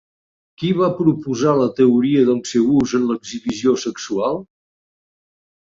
Qui va proposar la teoria del seu ús en l'exhibició sexual?